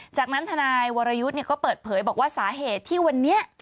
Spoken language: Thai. จากนั้นทนายวรยุทธ์ก็เปิดเผยบอกว่าสาเหตุที่วันนี้